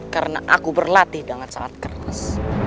karena aku berlatih dengan sangat keras